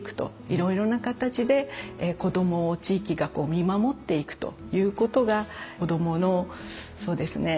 いろいろな形で子どもを地域が見守っていくということが子どものそうですね